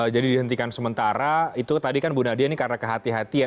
dihentikan sementara itu tadi kan bu nadia ini karena kehatian